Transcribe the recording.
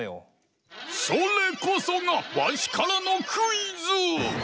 それこそがわしからのクイズ！